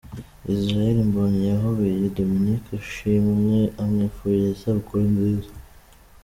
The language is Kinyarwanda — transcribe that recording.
Israel Mbonyi yahobeye Dominic Ashimwe amwifuriza isabukuru nziza.